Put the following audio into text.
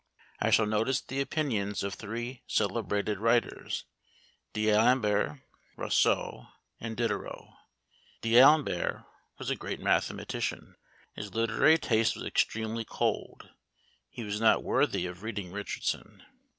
I shall notice the opinions of three celebrated writers, D'Alembert, Rousseau, and Diderot. D'Alembert was a great mathematician. His literary taste was extremely cold: he was not worthy of reading Richardson.